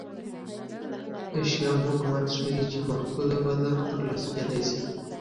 د شیام حکومت ښيي چې محدوده وده ترلاسه کېدای شي